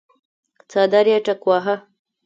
څادر يې ټکواهه.